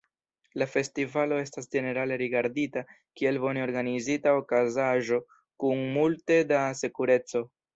La festivalo estas ĝenerale rigardita kiel bone organizita okazaĵo, kun multe da sekureco.